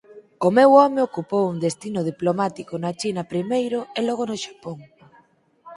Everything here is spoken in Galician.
O meu home ocupou un destino diplomático na China primeiro e logo no Xapón.